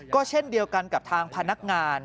ก็เช่นเดียวกันกับทางพนักงาน